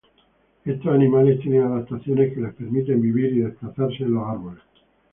Estos animales tienen adaptaciones que les permiten vivir y desplazarse en los árboles.